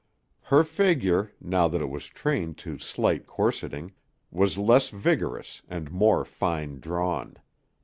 Her figure, now that it was trained to slight corseting, was less vigorous and more fine drawn.